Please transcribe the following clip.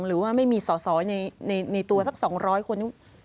หรือว่าไม่มีสอสอในตัวสัก๒๐๐คน